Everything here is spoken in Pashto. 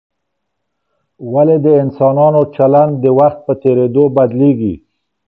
ولي د انسانانو چلند د وخت په تېرېدو بدلیږي؟